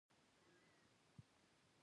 شتمن تل د خپل مالي ځواک په وسیله یادېږي.